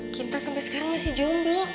kita sampai sekarang masih jomblo